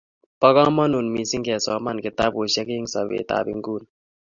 Bo kamanut mising kesoman kitabushek eng sobet ab ngono